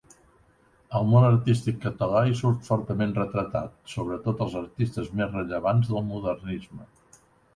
El món artístic català hi surt fortament retratat, sobretot els artistes més rellevants del Modernisme.